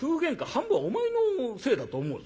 半分お前のせいだと思うぞ。